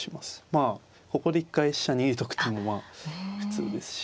まあここで一回飛車逃げとくっていうのもまあ普通ですし。